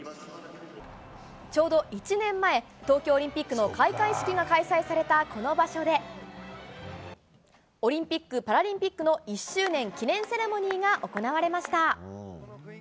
ちょうど１年前、東京オリンピックの開会式が開催されたこの場所で、オリンピック・パラリンピックの１周年記念セレモニーが行われました。